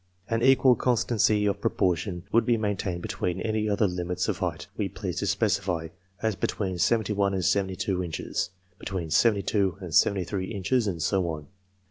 An equal constancy of proportion would be main tained between any other limits of height we pleased to specify, as between seventy one and seventy two inches ; be tween seventy two and seventy three inches ; and so on.